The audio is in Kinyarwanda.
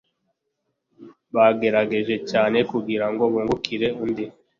Bagerageje cyane kugirango bungukire undi.